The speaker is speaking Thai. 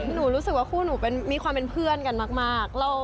รู้สึกว่าคู่หนูมีความเป็นเพื่อนกันมาก